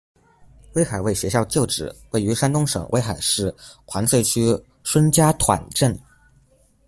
威海卫学校旧址，位于山东省威海市环翠区孙家疃镇。